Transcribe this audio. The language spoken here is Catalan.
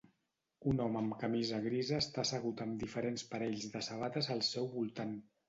Un home amb camisa grisa està assegut amb diferents parells de sabates al seu voltant